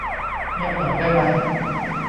เงียบหน่อยได้มั้ย